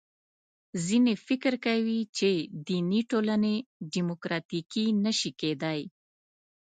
ځینې فکر کوي چې دیني ټولنې دیموکراتیکې نه شي کېدای.